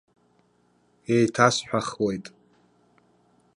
Еиҭасҳәахуеит.